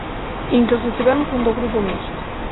Incluso tivemos un do Grupo Mixto.